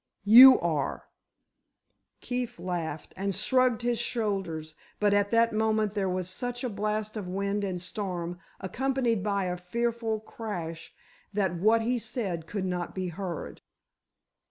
"You are!" Keefe laughed and shrugged his shoulders, but at that moment there was such a blast of wind and storm, accompanied by a fearful crash, that what he said could not be heard.